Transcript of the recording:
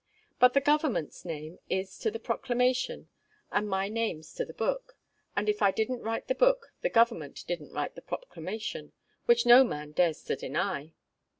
But the "Government's" name is to the proclamation, and my name's to the book; and if I didn't write the book, the "Government" didn't write the proclamation, which no man dares to deny!